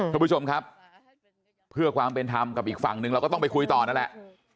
คุณผู้ชมครับเพื่อความเป็นธรรมกับอีกฝั่งหนึ่งเราก็ต้องไปคุยต่อนั่นแหละ